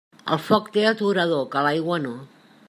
El foc té aturador, que l'aigua no.